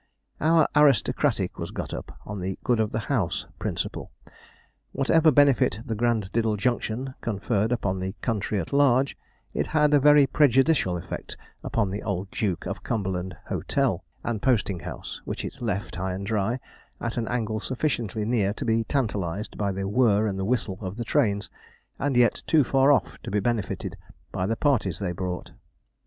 Our 'Aristocratic' was got up on the good of the house principle. Whatever benefit the Granddiddle Junction conferred upon the country at large, it had a very prejudicial effect upon the Old Duke of Cumberland Hotel and Posting House, which it left, high and dry, at an angle sufficiently near to be tantalized by the whirr and the whistle of the trains, and yet too far off to be benefited by the parties they brought.